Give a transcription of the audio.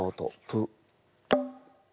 「プ」。